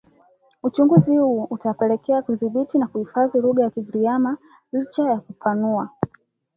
Uchunguzi huo utapelekea kuidhibiti na kuihifadhi lugha ya Kigiriama licha ya kupanua